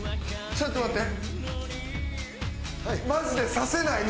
ちょっと待って。